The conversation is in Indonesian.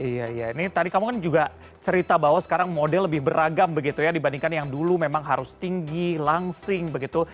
iya iya ini tadi kamu kan juga cerita bahwa sekarang model lebih beragam begitu ya dibandingkan yang dulu memang harus tinggi langsing begitu